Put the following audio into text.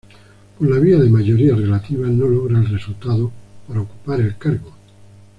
Por la vía de mayoría relativa no logra el resultado para ocupar el cargo.